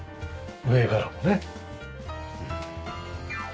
上からもね。